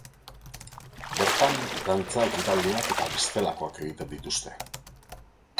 Bertan dantza-ekitaldiak eta bestelakoak egiten dituzte.